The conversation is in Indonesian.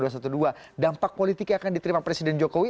dampak politiknya akan diterima presiden jokowi